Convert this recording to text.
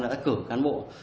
đã cử cán bộ